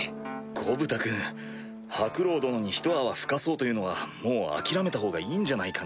ゴブタ君ハクロウ殿にひと泡吹かそうというのはもう諦めたほうがいいんじゃないかな？